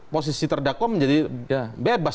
posisi terdakwa menjadi bebas